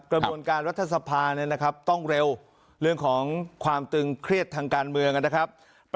กระบวนการรัฐสภาต้องเร็วเรื่องของความตึงเครียดทางการเมืองนะครับ